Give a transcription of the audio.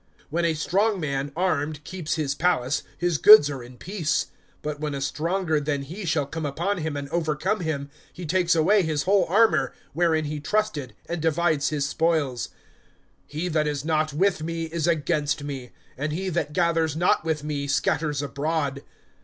(21)When a strong man armed keeps his palace, his goods are in peace. (22)But when a stronger than he shall come upon him and overcome him, he takes away his whole armor, wherein he trusted, and divides his spoils. (23)He that is not with me is against me; and he that gathers not with me scatters abroad.